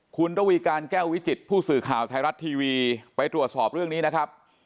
คุณระวีการแก้ววิจิตผู้สื่อข่าวไทยรัฐทีวีไปตรวจสอบเรื่องนี้นะครับ